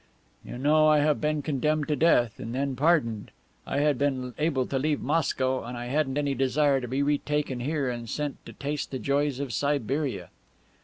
"You know I had been condemned to death, and then pardoned. I had been able to leave Moscow, and I hadn't any desire to be re taken here and sent to taste the joys of Siberia."